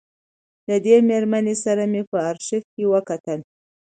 له دې مېرمنې سره مې په آرشیف کې وکتل.